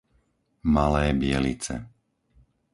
Malé Bielice